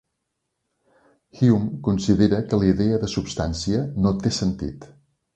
Hume considera que la idea de substància no té sentit.